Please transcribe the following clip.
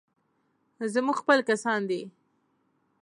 زموږ خپل کسان دي.